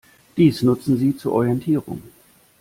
Dies nutzen sie zur Orientierung.